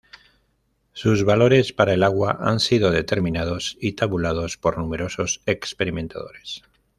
Sus valores para el agua han sido determinados y tabulados por numerosos experimentadores.